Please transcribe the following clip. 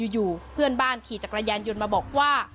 อยู่เพื่อนบ้านขี่จักรยานยนต์มาบอกว่า